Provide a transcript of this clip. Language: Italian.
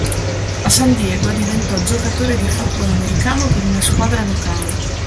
A San Diego diventò giocatore di football americano per una squadra locale.